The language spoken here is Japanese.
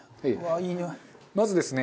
まずですね